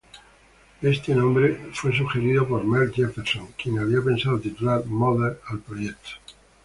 Este nombre fue sugerido por Mel Jefferson, quien había pensado titular "Mother" al proyecto.